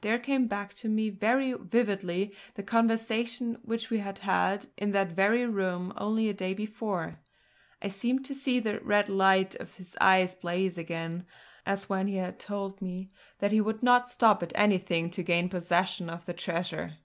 There came back to me very vividly the conversation which we had had in that very room only a day before; I seemed to see the red light of his eyes blaze again, as when he had told me that he would not stop at anything to gain possession of the treasure.